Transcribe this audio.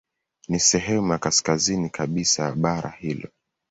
Ni sehemu ya kaskazini kabisa ya bara hilo.